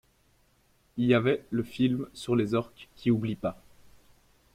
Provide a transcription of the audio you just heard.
Y avait le film sur les orques qui oublient pas.